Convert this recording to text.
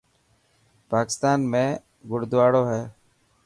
پاڪستان ۾ گڙدواڙو هي.